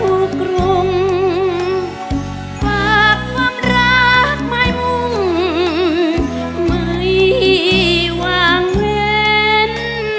กรุงฝากความรักไม่มุ่งไม่วางเว้น